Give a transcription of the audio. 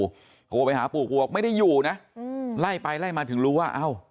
เขากลัวไปหาปู่กลัวไม่ได้อยู่นะไล่ไปไล่มาถึงรู้ว่า